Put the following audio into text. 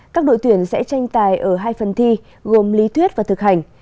các đội tuyển sẽ tranh tài ở hai phần thi gồm lý thuyết và thực hành